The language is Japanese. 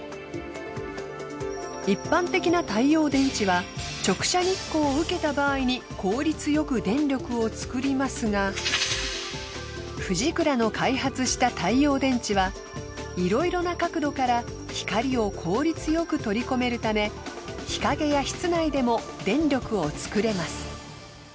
一般的な太陽電池は直射日光を受けた場合に効率よく電力を作りますがフジクラの開発した太陽電池はいろいろな角度から光を効率よく取り込めるため日陰や室内でも電力を作れます。